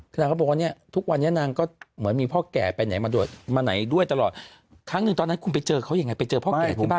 นางก็บอกว่าเนี่ยทุกวันนี้นางก็เหมือนมีพ่อแก่ไปไหนมาไหนด้วยตลอดครั้งหนึ่งตอนนั้นคุณไปเจอเขายังไงไปเจอพ่อแก่ที่บ้าน